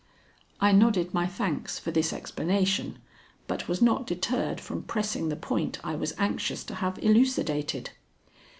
I nodded my thanks for this explanation, but was not deterred from pressing the point I was anxious to have elucidated.